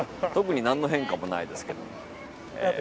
何の変化もないですけど。